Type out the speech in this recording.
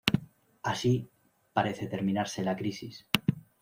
Así, parece terminarse la crisis.